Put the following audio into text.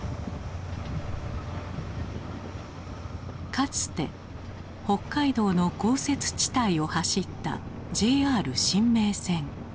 かつて北海道の豪雪地帯を走ったＪＲ深名線。